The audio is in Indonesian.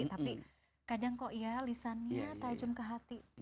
tapi kadang kok ya lisannya tajam ke hati